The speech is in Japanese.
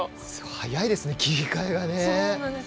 早いですね、切り替えが。